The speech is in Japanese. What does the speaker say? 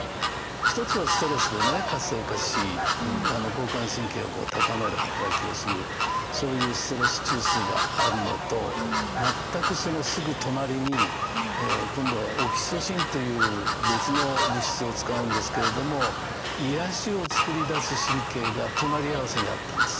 一つはストレスでね活性化し交感神経を高める働きをするそういうストレス中枢があるのと全くそのすぐ隣に今度はオキシトシンという別の物質を使うんですけれども癒やしを作り出す神経が隣り合わせにあったんです。